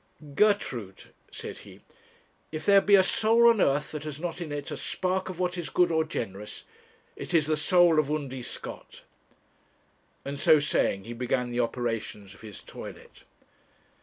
'Gertrude,' said he, 'if there be a soul on earth that has not in it a spark of what is good or generous, it is the soul of Undy Scott;' and so saying he began the operations of his toilet.